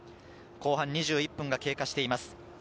後半２１分が経過しています。